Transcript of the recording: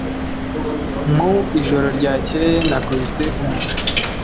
Mu ijoro ryakeye, nakubise umuntu